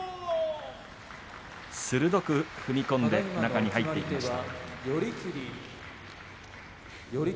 鋭く踏み込んで中に入っていきました。